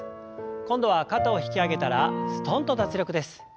今度は肩を引き上げたらすとんと脱力です。